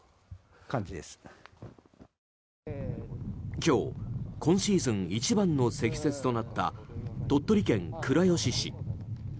今日、今シーズン一番の積雪となった鳥取県倉吉市。